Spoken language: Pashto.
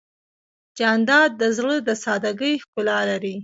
جانداد د زړه د سادګۍ ښکلا لري.